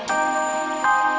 mama nggak peduli